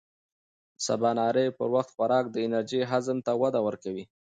د سباناري پر وخت خوراک د انرژۍ هضم ته وده ورکوي.